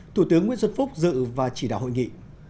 thủ tướng nguyễn xuân phúc dự và chỉ đạo hội nghị